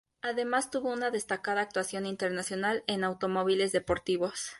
Además tuvo una destacada actuación internacional en automóviles deportivos.